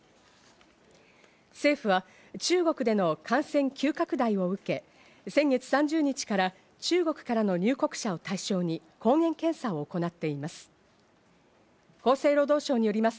政府は中国での感染急拡大を受け、先月３０日から中国からの入国者を対象に抗原検査を行っています。